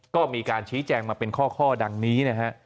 ก็มีการชี้แจงมาเป็นข้อดังนี้นะฮะ